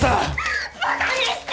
バカにして！